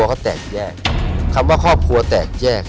ครอบครัวก็แตกแยก